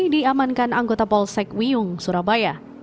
diamankan anggota polsek wiyung surabaya